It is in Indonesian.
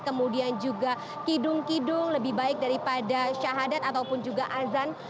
kemudian juga kidung kidung lebih baik daripada syahadat ataupun juga azan